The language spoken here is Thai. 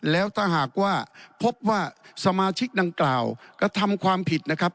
แล้วถ้าหากว่าพบว่าสมาชิกดังกล่าวกระทำความผิดนะครับ